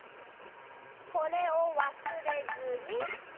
これをわすれずにっと！